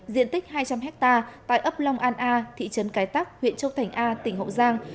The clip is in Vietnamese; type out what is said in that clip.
diện tích hai trăm linh hectare tại ấp long an a thị trấn cái tắc huyện châu thành a tỉnh hậu giang